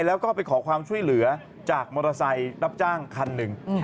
แล้วก็ไปขอความช่วยเหลือจากมอเตอร์ไซค์รับจ้างคันหนึ่ง